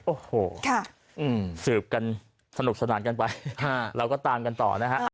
โอ้โหสืบกันสนุกสนานกันไปเราก็ตามกันต่อนะฮะ